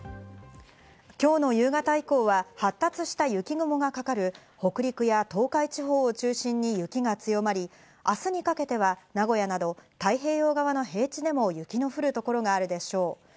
今日の夕方以降は発達した雪雲がかかる北陸や東海地方を中心に雪が強まり、明日にかけては名古屋など太平洋側の平地でも雪の降る所があるでしょう。